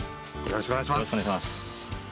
よろしくお願いします